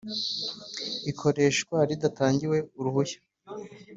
ikoreshwa ridatangiwe uruhushya